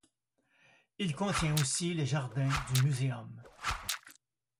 Il contient aussi les jardins du Muséum.